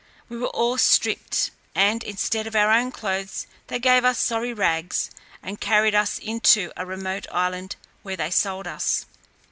We were all stripped, and instead of our own clothes, they gave us sorry rags, and carried us into a remote island, where they sold us.